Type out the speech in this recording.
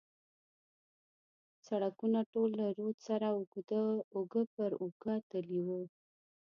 سړکونه ټول له رود سره اوږه پر اوږه تللي و.